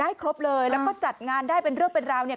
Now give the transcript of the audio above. ให้ครบเลยแล้วก็จัดงานได้เป็นเรื่องเป็นราวเนี่ย